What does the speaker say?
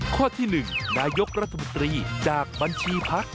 ข้อที่๑นายกรัฐมนตรีจากบัญชีพัก